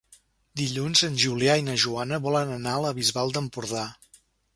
Dilluns en Julià i na Joana volen anar a la Bisbal d'Empordà.